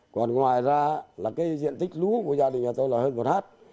còn ngoài ra là cái diện tích lũ của gia đình nhà tôi là hơn một hát